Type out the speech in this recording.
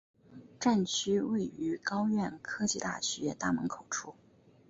站区位于高苑科技大学大门口处。